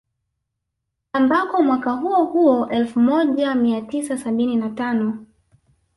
Ambako mwaka huo huo elfu moja mia tisa sabini na tano